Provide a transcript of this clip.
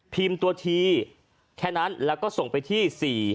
พิมพ์ตัวทีแค่นั้นแล้วก็ส่งไปที่๔๕๔๕๐๙๙